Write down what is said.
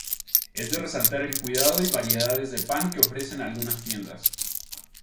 Es de resaltar el cuidado y variedades de pan que ofrecen algunas tiendas.